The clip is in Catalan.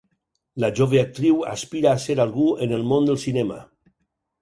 La jove actriu aspira a ser algú en el món del cinema.